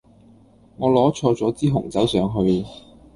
我攞錯咗支紅酒上去